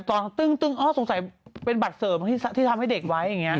ตอนตึ้งอ๋อสงสัยเป็นบัตรเสริมที่ทำให้เด็กไว้อย่างนี้